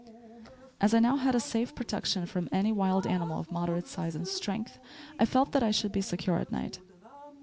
As I now had a safe protection from any wild animal of moderate size and strength, I felt that I should be secure at night.